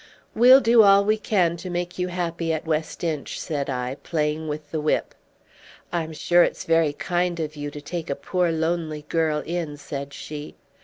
"We'll do all we can to make you happy at West Inch," said I, playing with the whip. "I'm sure it's very kind of you to take a poor lonely girl in," said she.